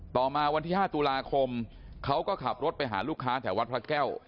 ต่อมาวันที่๕ตุลาคมเขาก็ขับรถไปหาลูกค้าแถววัดพระแก้ว